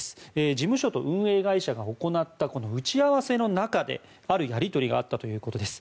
事務所と運営会社が行った打ち合わせの中であるやり取りがあったということです。